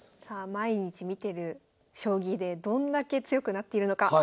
さあ毎日見てる将棋でどんだけ強くなっているのか。